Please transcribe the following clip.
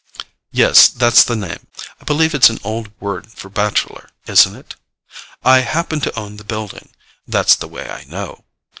"Yes, that's the name: I believe it's an old word for bachelor, isn't it? I happen to own the building—that's the way I know."